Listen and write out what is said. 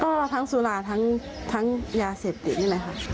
ก็ทั้งสุราทั้งยาเสพติดนี่แหละค่ะ